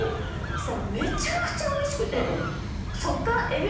そしたらめちゃくちゃおいしくて。